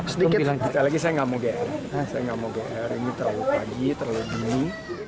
sekali lagi saya nggak mau gr ini terlalu pagi terlalu dini